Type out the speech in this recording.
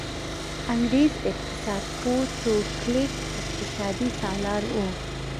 انګرېز اقتصاد پوه ټو کلیک اقتصادي سلاکار و.